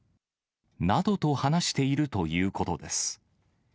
などと話しているということです。